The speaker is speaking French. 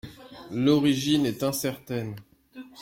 L'origine est incertaine.